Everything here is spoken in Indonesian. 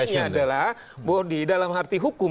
artinya adalah bahwa di dalam arti hukum